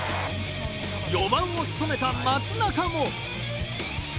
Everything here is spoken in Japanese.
４番を務めた松中も。